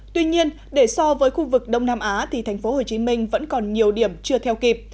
tuy nhiên để so với khu vực đông nam á thì thành phố hồ chí minh vẫn còn nhiều điểm chưa theo kịp